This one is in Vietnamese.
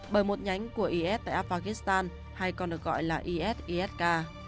bởi một nhánh của is tại afghanistan hay còn được gọi là es isk